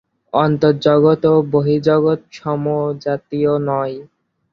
অন্তর্জগৎ ও বহির্জগৎ সমজাতীয় নয়।